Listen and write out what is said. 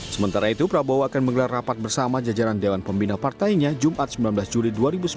sementara itu prabowo akan menggelar rapat bersama jajaran dewan pembina partainya jumat sembilan belas juli dua ribu sembilan belas